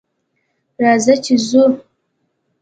راځه چې ځو